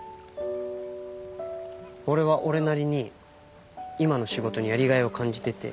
俺は俺なりに今の仕事にやりがいを感じてて。